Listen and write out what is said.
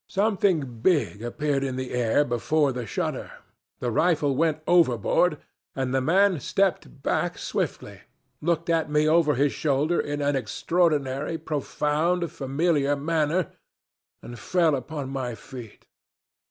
Something big appeared in the air before the shutter, the rifle went overboard, and the man stepped back swiftly, looked at me over his shoulder in an extraordinary, profound, familiar manner, and fell upon my feet.